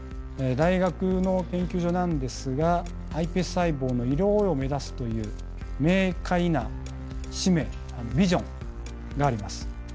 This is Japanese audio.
大学の研究所なんですがｉＰＳ細胞の医療応用を目指すという明快な使命ビジョンがあります。